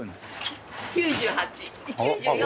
９８９４。